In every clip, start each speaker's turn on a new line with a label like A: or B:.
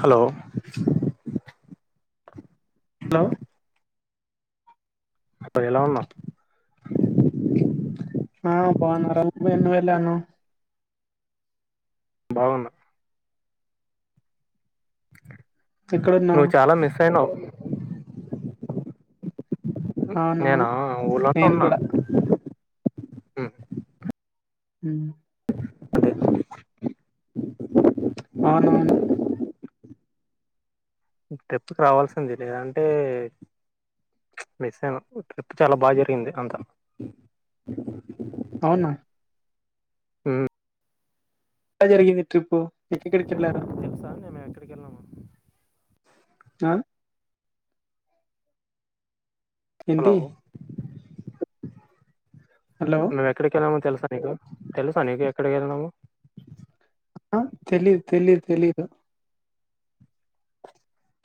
A: Hello
B: hello
A: అప్పుడు ఎలా ఉన్నావ్
B: ఆ బావున్నారా నువ్ ఎలా వున్నావ్
A: బాగున్నా నువ్
B: ఎక్కడున్నావు
A: చాలా మిస్ అయినవ్
B: అవును
A: నేను ఊళ్ళోనే
B: నేను
A: ఉన్నా
B: కూడా
A: ఉ
B: ఊ అవునవును
A: ఇ ట్రిప్కి రావాల్సింది లే అంటే ప్చ్ మిస్ ఐనవ్ ఈ ట్రిప్ చాలా బాగా జరిగింది అంతా
B: అవునా
A: ఊ
B: ఎలా జరిగింది ట్రిప్పు ఎకెక్కడికి వెళ్ళారు
A: ఆ నేను ఎక్కడికి వెళ్ళను
B: ఆ
A: హలో
B: ఏంటి హలో
A: మేము ఎక్కడికెళ్ళమో తెలుసా నీకు తెలుసా నీకు ఎక్కడికి వెళ్ళినమో
B: అ తెలిదు తెలిదు తెలిదు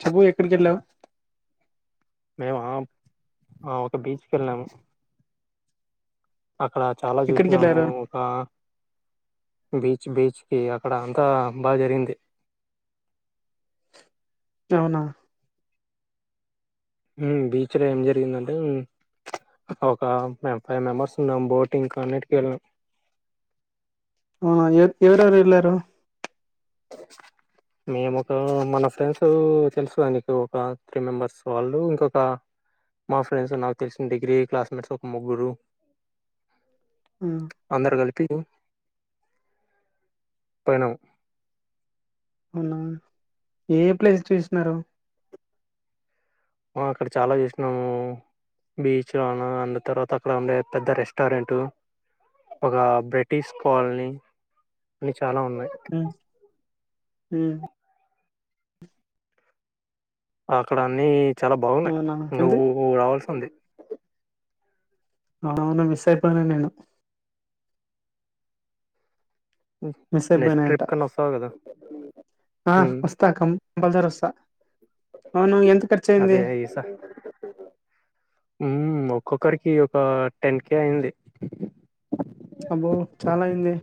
B: చెప్పు ఎక్కడికెళ్ళం
A: మేము ఆ ఒక బీచ్కి వెళ్ళాము అక్కడ చాలా
B: ఎక్కడికి
A: చూసినాము
B: వెళ్ళారు
A: ఒక బీచ్ బీచ్ కి అక్కడ అంతా బాగా జరిగింది
B: యవునా
A: ఉమ్ బీచ్ లో ఏం జరిగిందంటే ప్చ్ ఒక మేం ఫైవ్ మెంబర్స్ ఉన్నాం బోట్ కు అన్నింటికి వెళ్ళాం
B: ఆ ఎవర్ ఎవరెవరు ఎళ్లారు
A: మేము ఒక మన ఫ్రెండ్స్ తెలుసు కదా నీకు ఒక త్రీ మెంబర్స్ వాళ్ళు ఇంకొక మా ఫ్రెండ్స్ నాకు తెలిసిన డిగ్రీ క్లాస్ మేట్స్ ఒక ముగ్గురు
B: ఆ,
A: అందరు కలిపి పోయినం
B: అవునా ఏ ప్లేస్ చూసినారు
A: వా అక్కడ చాలా చేసినాము బీచ్ లోన అందు తర్వాత అక్కడ ఉండే పెద్ద రెస్టారెంటు ఒక బ్రిటిష్ కాలనీ అన్ని చాలా ఉన్నాయి
B: ఊ
A: అక్కడ అన్ని చాలా బాగున్నాయ్
B: అవునా ఏంది
A: నువ్వు రావాల్సింది
B: అవును మిస్ అయిపోయిన నేను
A: ఉ
B: మిస్
A: నెక్స్ట్
B: అయిపోయినాంట
A: ట్రిప్ కన వస్తావ్ కదా
B: ఆ
A: ఉమ్,
B: వస్తా కంపుల్సరీ వస్తా అవును ఎంత ఖర్చయింది
A: ఊ ఒక్కొక్కరికి ఒక టెన్ కే అయింది
B: అబ్బో చాలా అయిందే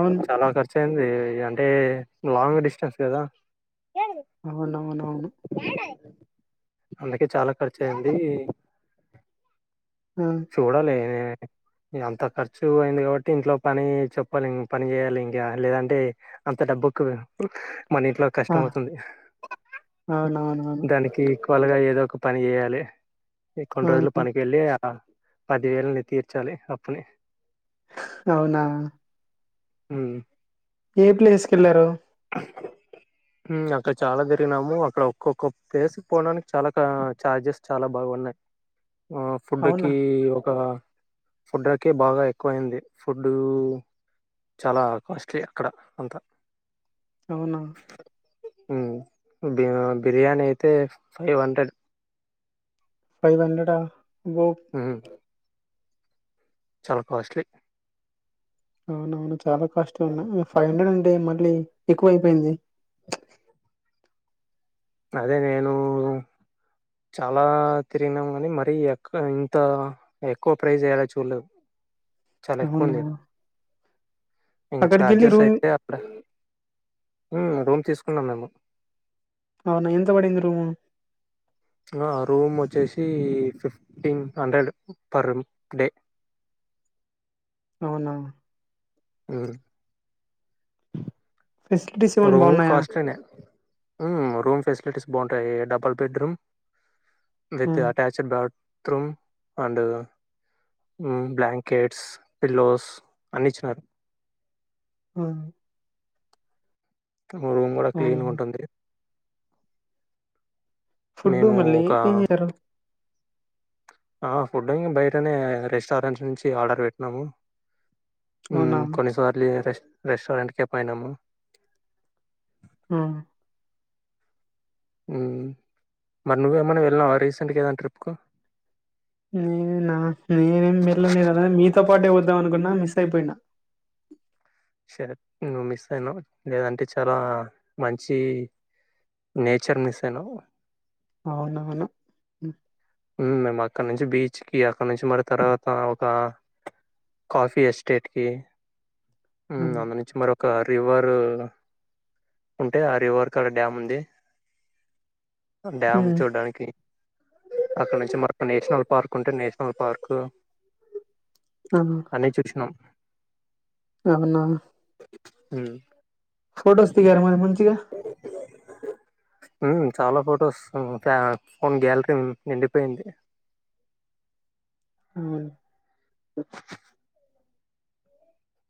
B: అవును
A: చాలా ఖర్చయింది అంటే లాంగ్ డిస్టెన్స్ కదా.
B: అవునవును
A: యడ అందుకే చాల ఖర్చు అయింది
B: ఆ!
A: చూడాలి అంత ఖర్చు అయింది కాబట్టి ఇంట్లో పని చెప్పాలెం పని చేయాలి ఇంకా లేదంటే అంత డ మన ఇంట్లో
B: ఆ!
A: కష్టం అవుతుంది
B: అవునవునవును.
A: దానికి [unintelligible] ఏదో ఒక పని చేయాలి కొన్ని
B: ఆ!
A: రోజులు పనికి వెళ్ళి పదివేలుని తీర్చాలి అప్పుని
B: అవునా
A: హు
B: ఏ ప్లేస్ కెళ్లారు
A: అ అక్కడ చాల తిరిగినాము అక్కడ ఒక్కొక్క ప్లేస్ పోవడానికి చాలా చార్జెస్ చాల బాగ పడినాయ్ ఆ
B: అవునా?
A: ఫుడ్కి ఒక ఫుడకే బాగా ఎక్కువయింది ఫుడ్ చాల కాస్ట్లీ అక్కడ అంత
B: అవున
A: బిర్యానీ అయితే ఫైవ్ హండ్రెడ్
B: ఫైవ్ హండ్రెడ [unintelligible]
A: చాల కాస్ట్లీ
B: అవునవును చాల కాస్ట్ ఉన్నాయి ఫైవ్ హండ్రెడ్ అంటే మళ్ళీ ఎక్కువ అయిపోయింది
A: అదే నేను చాల తిరిగినము కాని మరి ఇంత ఎక్కువ ప్రైజ్ యడ చూడలేదు చాల ఎక్కువ
B: అవునా?
A: ఉంది ఈడ ఇంక
B: అక్కడికెళ్లి
A: ఛార్జెస్
B: రూమ్
A: అయితే అక్కడ రూమ్ తీసుకున్నాం మేము
B: అవునా? ఎంత పడింది రూము?
A: ఆ రూమ్ ఒచే ఫిఫ్టీన్ హండ్రెడ్ పర్ డే
B: అవునా
A: ఉ
B: ఫెసిలిటీస్ ఏమైనా
A: రూమ్
B: బాగున్నాయా?
A: కాస్ట్లీ నే రూమ్ ఫెసిలిటీస్ బాగుంటాయి డబుల్ బెడ్రూమ్ విత్
B: హ్మ్.
A: Attached bathroom and blankets pillows అన్ని ఇచ్చినారు
B: ఉ
A: రూమ్ కూడ
B: అవునా?
A: క్లీన్గ ఉంటుంది
B: ఫుడ్డ
A: మేము
B: మళ్లి
A: ఒక
B: ఎం తినరు
A: ఫుడ్ ఇంకా బయటనే రెస్టారెంట్ నుంచి ఆర్డర్ పెట్టినాము
B: అవునా?
A: కొన్నిసార్లు రెస్ రెస్టారెంట్కే పోయినాము
B: ఉ
A: మరి నువ్వు ఏమన్నా వెళ్ళినావ రీసెంట్గా ఏదన్నా ట్రిప్కు
B: నేన నేనే [unintelligible] మీతో పాటే ఒ [unintelligible] అనుకున్నా మిస్ అయిపోయినా
A: షర్ట్ నువ్వు మిస్ అయినవ్ లేదంటే చాలా మంచి నేచర్ మిస్ అయినవ్
B: అవునవును
A: మేము అక్కడ నుంచి బీచ్ కి అక్కడ నుంచి మరి తర్వాత ఒక కాఫీ ఎస్టేట్ కి
B: హ్మ్.
A: అందు నుంచి మర ఒక రివర్ ఉంటే ఆ రివర్ కాడ డ్యామ్ ఉంది డ్యామ్
B: హ్మ్.
A: చూడడానికి అక్కడ నుంచి మర నేషనల్ పార్క్ ఉంటే నేషనల్ పార్కు
B: ఆ
A: అన్నీ చూసినాం
B: అవున
A: హు
B: ఫోటోస్ దిగారా మరి మంచిగా
A: అఓకే చాలా ఫొటోస్ [unintelligible] ఫోన్ గ్యాలరీ నిండిపోయింది
B: హు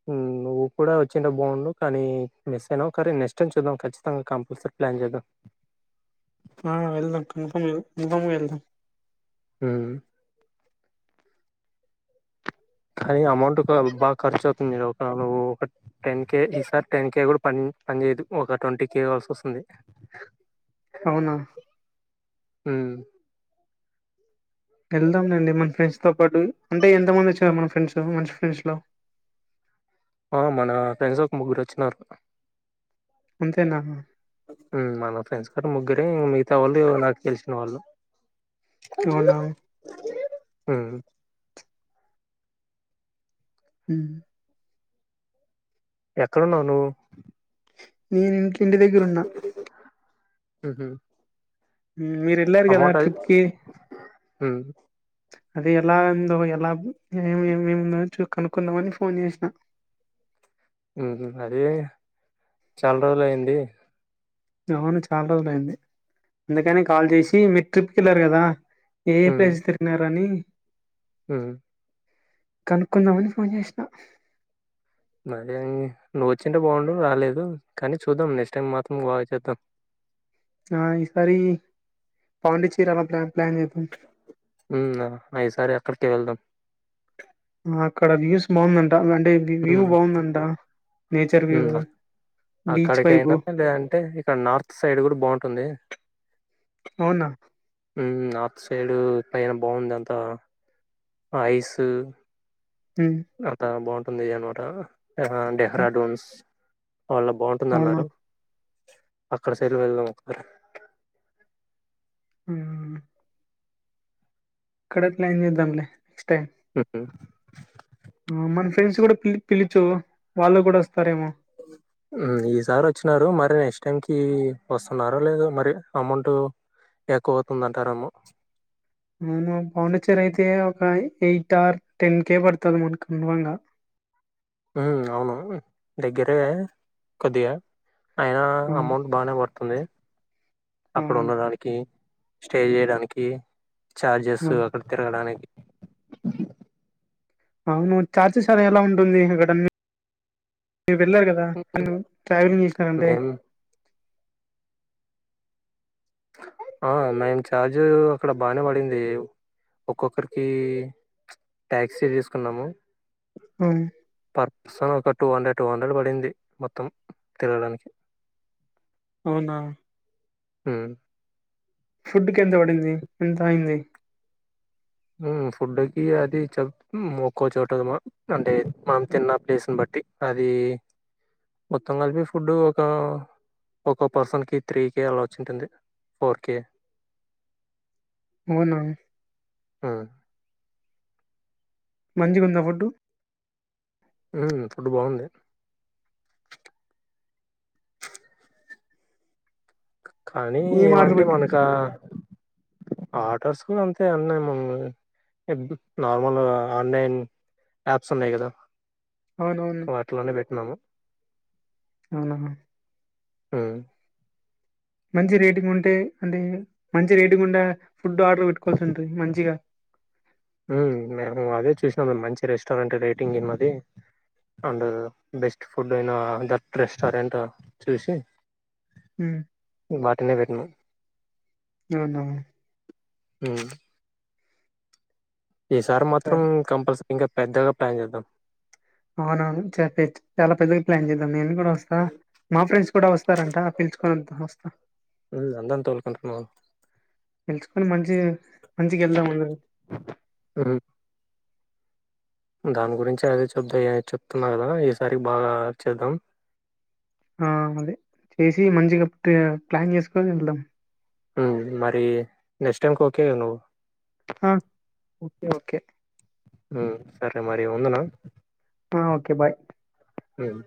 A: హు నువ్వు కూడా వచ్చింటే బాగుండు కానీ మిస్ అయినావు కాని నెక్స్ట్ టైమ్ చూద్దాం ఖచ్చితంగా కంపల్సరి ప్లాన్ చేద్దాం
B: ఆ వెళ్దాం కన్ఫర్మ్ కన్ఫర్మ్గా వెళ్దాం
A: హు కానీ అమౌంట్ బాగా ఖర్చు అవుతుంది నువ్వు ఒక టెన్ కే ఈసారి టెన్ కే కూడా ప పని చేయదు ఒక ట్వంటీ కే కావల్సి వస్తుంది
B: అవునా
A: హు
B: వెళ్దాం లేండి మన ఫ్రెండ్స్ తో పాటు అంటే ఎంత మంది వచ్చారు మన ఫ్రెండ్స్ మంచి ఫ్రెండ్స్ లో
A: ఆ మన ఫ్రెండ్స్ ఒక ఒక ముగ్గురు వచ్చినారు
B: అంతేనా
A: మన ఫ్రెండ్స్ కాటి ముగ్గురే మిగతా వాళ్ళు నాకు తెలిసిన వాళ్ళు
B: అవునా
A: హు
B: హు
A: ఎక్కడున్నావు నువ్వు
B: ఉ ఇంటి దగ్గర ఉన్నా
A: ఉహు
B: మీరు వెళ్ళారు కదా ట్రిప్ కి
A: హు
B: అది ఎలాందు ఎలా చ కనుక్కుందామని ఫోన్ చేసిన
A: ఉహు అదే చాలా రోజులు అయింది
B: అవును చాలా రోజులు అయింది అందుకని కాల్ చేసి మీరు ట్రిప్ కి వెళ్లారు కదా ఏయే ప్లేసెస్ తిరిగినారో అని
A: హు
B: కనుక్కుందామని ఫోన్ చేసిన
A: గదే నువ్వు వచ్చింటే బాగుండు రాలేదు కానీ చూద్దాం నెక్స్ట్ టైం మాత్రం బాగా చేద్దాం
B: ఆ ఈసారి పాండిచ్చేరి అల ప్లాన్ ప్లాన్ చేద్దాం
A: ఉ అయిసారి అక్కడికె వెళ్దాం
B: అక్కడ వ్యూస్ బాగుందంట అంటే వ్యూ
A: హ్మ్.
B: బాగుందంట నేచర్ వ్యూ
A: హ్మ్.
B: Beach vibe.
A: అక్కడికైనా లేదంటే ఇక్కడ నార్త్ సైడ్ కూడా బాగుంటుంది
B: అవునా
A: నార్త్ సైడ్ పైన బాగుంది అంతా ఐస్
B: హ్మ్.
A: అక్క బాగుంటుంది అనమాట డెహ్రా
B: హ్మ్.
A: డోన్స్ అళ్ళ బాగుంటుంది
B: అవునా?
A: అన్నారు అక్కడ సైల్ వెళకుార
B: ఉమ్ కడత్లందిదాంలే
A: హు
B: ఆ మన ఫ్రెండ్స్ కూడా పి పిలుచు వాళ్ళు కూడా వస్తారేమో
A: ఈసారి వచ్చినారు మరి నెక్స్ట్ టైంకిి వస్తున్నారో లేదు మరి అమౌంట్ ఎక్కువవుతుందంటారేమో
B: అవును పాండిచ్చేరి అయితే ఒక ఎయిట్ ఆర్ టెన్ కేే పడుతుంది మనకునువంగా
A: హ అవును దగ్గరే కొద్దిగా అయినా
B: ఆ!
A: అమౌంట్ బాగానే పడుతుంది
B: ఆ!
A: అక్కడ ఉండడానికి స్టే చేయడానికి చార్జెస్
B: ఆ!
A: అక్కడ తిరగడానికి
B: అవును చార్జెస్ అర ఎలా ఉంటుంది అక్కడ మీరు వెళ్ళారు కదా నన్న ట్రావెలింగ్ చేసినానంటే
A: మేం ఆ మేము చార్జ్ అక్కడ బానే పడింది ఒక్కొక్కరికి టాక్సీ తీసుకున్నాము
B: ఆ
A: సో ఒక టూ హండ్రెడ్ టూ హండ్రెడ్ పడింది మొత్తం తిరడానికి
B: అవునా
A: మ్మ్
B: ఫుడ్ కి ఎంత పడింది ఎంత అయింది
A: ఫుడ్కి అది చె ఒక్కో చోట అంటే మనం తిన్న ప్లేస్ని బట్టి టి అది మొత్తం కలిపి ఫుడ్డు ఒక ఒక పర్సన్ కి త్రీ కే అలాచింటుంది ఫోర్ కే
B: అవునా
A: ఆ
B: మంచిగా ఉందా ఫుడ్డు
A: మ్మ్ ఫుడ్ బాగుంది కానీ
B: ఏం ఆర్డర్
A: ఏమంటే
B: పెట్టు
A: మనక ఆర్టర్స్ కూడా అంతే అన్నాయి మ నార్మల్ ఆన్లైన్ యాప్స్ ఉన్నాయి కదా
B: అవునవును
A: వాటిలోనే పెట్టినాము
B: అవునా
A: ఉమ్
B: మంచి రేటింగ్ ఉంటే అంటే మంచి రేటుంగ్ ఉండ ఫుడ్ ఆర్డర్ పెట్టుకోవాల్సి ఉంటుంది మంచిగా
A: మేము అదే చూసినాం మంచి రెస్టారెంట్ రేటింగ్ ఏమది అండ్ బెస్ట్ ఫుడ్ అయిన దట్ రెస్టారెంట్ చూసి
B: హ్మ్.
A: వాటినే పెట్నా
B: అవున
A: ఉమ్ ఈసారి మాత్రం
B: సరే
A: కంపల్సరీ ఇంకా పెద్దగా ప్లాన్ చేద్దాం
B: అవునవును చెప్పే చాలా పెద్దగా ప్లాన్ చేద్దాం నేను కూడా వస్తా మా ఫ్రెండ్స్ కూడా వస్తారంట పిలుచుకొని వస్తా
A: హ్మ్మ్ అందరినీ తొలుకొంట ఉందాము
B: నిెలుచుకొని మంచి మంచికి వెళ్దాం అందరు
A: హ్మ్మ్ దాని గురించి అదే చెబద్దా చెప్తున్నా కదా ఈసారి బాగా చేద్దాం
B: ఆ అదే చేసి మంచిగా ప్లాన్ చేసుకోని వెళ్దాం
A: మరి నెక్స్ట్ టైంకి కే ఒకే కదా నువ్వు
B: ఆ ఓకే ఓకే
A: సరే మరి ఉందునా
B: ఆ ఓకే బాయ్
A: హ్మ్మ్